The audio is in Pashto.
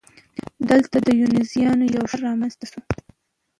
دلته د وینزیانو یو ښار رامنځته شو.